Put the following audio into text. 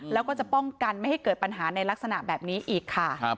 แล้วก็จะป้องกันไม่ให้เกิดปัญหาในลักษณะแบบนี้อีกค่ะ